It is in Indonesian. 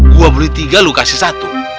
gua beli tiga lo kasih satu